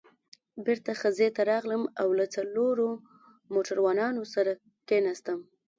بېرته خزې ته راغلم او له څلورو موټروانانو سره کېناستم.